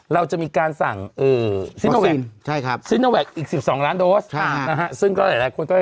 เราจะมีการสั่งเอ่อใช่ครับอีกสิบสองล้านโดสใช่ฮะซึ่งก็หลายหลายคนก็